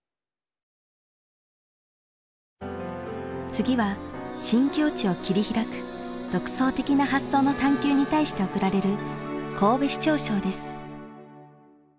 次は新境地を切り開く独創的な発想の探究に対して贈られる神戸市長賞です。